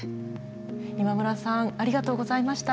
今村さんありがとうございました。